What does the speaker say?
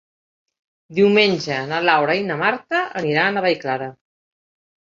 Diumenge na Laura i na Marta aniran a Vallclara.